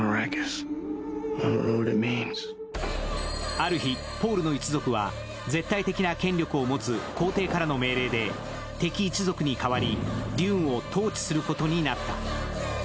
ある日、ポールの一族は絶対的な権力を持つ皇帝からの命令で、敵一族に代わりデューンを統治することになった。